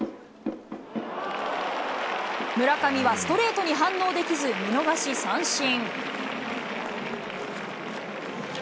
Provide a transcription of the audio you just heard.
村上はストレートに反応できず、見逃し三振。